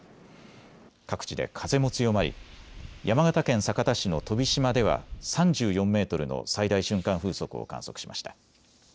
各地で風も強まり山形県酒田市の飛島では３４メートルの最大瞬間風速を観測しました。